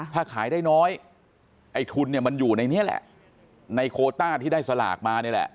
ถ้าขายได้น้อยไอ้ทุนเนี่ยมันอยู่ในนี้แหละในโคต้าที่ได้สลากมานี่แหละ